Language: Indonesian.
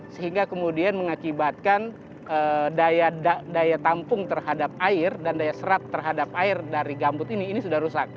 sehingga kemudian mengakibatkan daya tampung terhadap air dan daya serat terhadap air dari gambut ini sudah rusak